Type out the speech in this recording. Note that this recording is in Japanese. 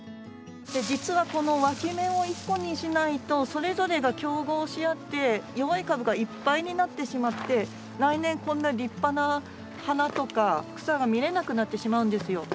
実はこのわき芽を１個にしないとそれぞれが競合しあって弱い株がいっぱいになってしまって来年こんな立派な花とか草が見れなくなってしまうんですよ。